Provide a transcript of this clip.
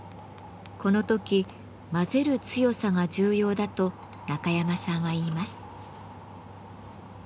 この時混ぜる強さが重要だと中山さんはいいます。